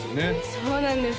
そうなんです